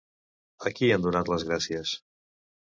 A qui ha donat les gràcies?